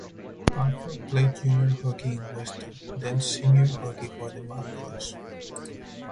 Pulford played junior hockey in Weston, then senior hockey for the Marlboros.